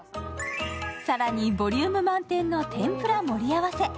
さらにボリューム満点な天ぷら盛り合わせ。